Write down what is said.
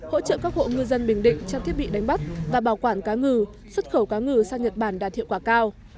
hỗ trợ các hộ ngư dân bình định trang thiết bị đánh bắt và bảo quản cá ngừ xuất khẩu cá ngừ sang nhật bản đạt hiệu quả cao